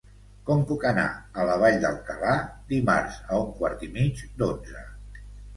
Com puc anar a la Vall d'Alcalà dimarts a un quart i mig d'onze?